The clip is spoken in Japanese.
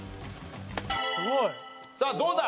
さあどうだ！